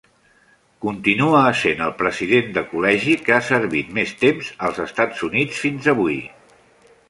Continua essent el president de col·legi que ha servit més temps als Estats Units fins avui.